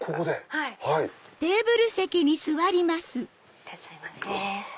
いらっしゃいませ。